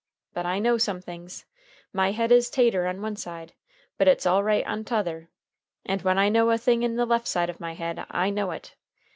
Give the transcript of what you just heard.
But I know some things. My head is tater on one side, but it's all right on t'other. And when I know a thing in the left side of my head, I know it.